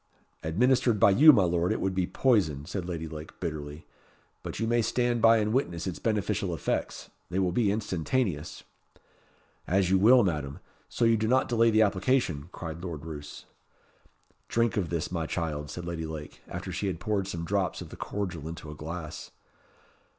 "Administered by you, my Lord, it would be poison," said Lady Lake, bitterly. "But you may stand by and witness its beneficial effects. They will be instantaneous." "As you will, Madam, so you do not delay the application," cried Lord Roos. "Drink of this, my child," said Lady Lake, after she had poured some drops of the cordial into a glass.